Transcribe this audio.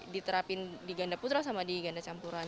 diterapin di ganda putra sama di ganda campuran